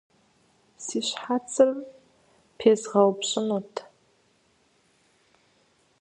Си щхьэцыр пезгъэупщӏынут.